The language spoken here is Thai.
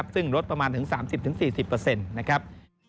ซึ่งลดประมาณถึง๓๐๔๐เปอร์เซ็นต์นะครับ